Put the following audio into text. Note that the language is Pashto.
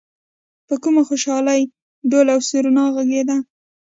په کومه خوشالۍ ډول او سرنا غږېده.